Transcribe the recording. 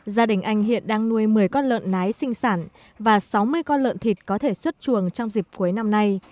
gia đình anh hiện đang nuôi một mươi con lợn nái sinh sản và sáu mươi con lợn thịt có thể xuất chuồng trong dịp cuối năm nay